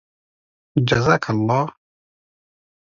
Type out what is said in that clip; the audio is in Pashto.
جزاك اللهُ